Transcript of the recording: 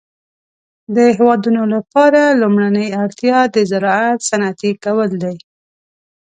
د هيوادونو لپاره لومړنۍ اړتيا د زراعت صنعتي کول دي.